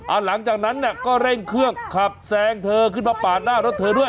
หลังจากนั้นเนี่ยก็เร่งเครื่องขับแซงเธอขึ้นมาปาดหน้ารถเธอด้วย